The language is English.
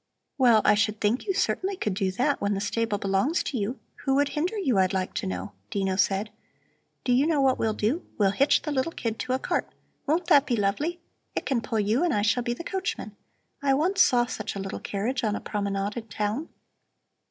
"Well, I should think you certainly could do that, when the stable belongs to you. Who would hinder you, I'd like to know?" Dino said. "Do you know what we'll do? We'll hitch the little kid to a cart. Won't that be lovely? It can pull you and I shall be the coachman. I once saw such a little carriage on a promenade in town."